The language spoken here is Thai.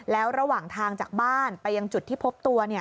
แล้วระหว่างทางจากบ้านไปยังจุดที่พบตัว